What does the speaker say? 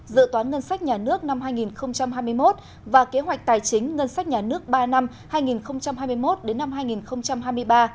dự toán ngân sách nhà nước năm hai nghìn hai mươi một và kế hoạch tài chính ngân sách nhà nước ba năm hai nghìn hai mươi một đến năm hai nghìn hai mươi ba